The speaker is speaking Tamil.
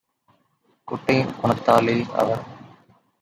குட்டை மனத்தாலே - அவர்